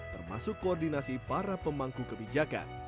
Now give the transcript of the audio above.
termasuk koordinasi para pemangku kebijakan